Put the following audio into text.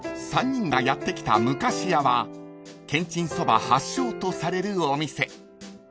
［３人がやって来た昔屋はけんちんそば発祥とされるお店］